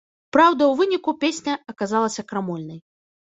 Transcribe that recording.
Праўда, у выніку песня аказалася крамольнай.